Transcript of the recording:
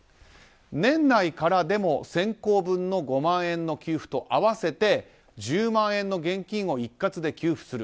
年内からでも先行分の５万円の給付と合わせて１０万円の現金を一括で給付する。